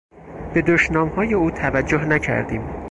به دشنامهای او توجه نکردیم.